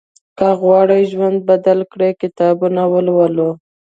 که غواړې ژوند بدل کړې، کتابونه ولوله.